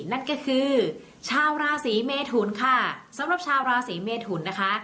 นั่นก็คือชาวราศีเมทุนค่ะสำหรับชาวราศีเมทุนนะคะ